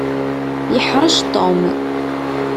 Yeḥṛec Tom.